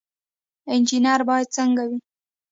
انجنیر باید څنګه وي؟